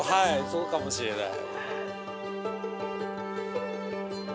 ◆そうかもしれない。